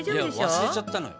忘れちゃったのよ。